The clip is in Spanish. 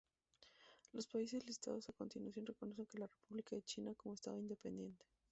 Los países listados a continuación reconocen a la República de China como estado independiente.